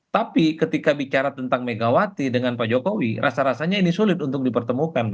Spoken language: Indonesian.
tapi ketika bicara tentang megawati dengan pak jokowi rasa rasanya ini sulit untuk dipertemukan